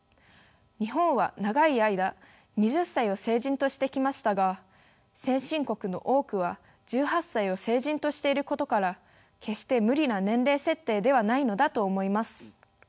日本は長い間２０歳を成人としてきましたが先進国の多くは１８歳を成人としていることから決して無理な年齢設定ではないのだと思います。